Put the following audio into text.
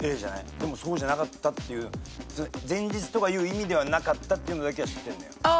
でもそうじゃなかったっていう前日とかいう意味ではなかったっていうのだけは知ってんのよ。